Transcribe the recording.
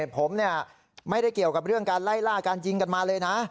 ผมไม่ได้เกี่ยวกับเรื่องการไล่ล่าการยิงกันมาเลยนะ